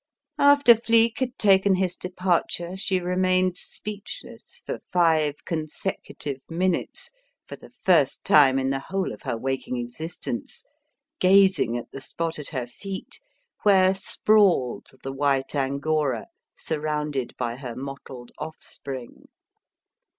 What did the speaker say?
After Flique had taken his departure, she remained speechless for five consecutive minutes for the first time in the whole of her waking existence, gazing at the spot at her feet where sprawled the white angora, surrounded by her mottled offspring.